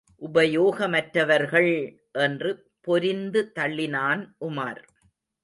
உபயோகமற்றவர்கள்! என்று பொரிந்து தள்ளினான் உமார்.